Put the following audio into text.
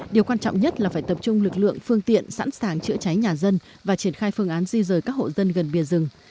điều quan trọng nhất là phải tập trung lực lượng phương tiện sẵn sàng chữa cháy nhà dân và triển khai phương án di rời các hộ dân gần bìa rừng